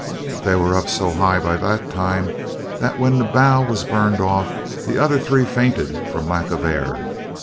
They were up so high by that time that when the bow was burned off the other three fainted from lack of air.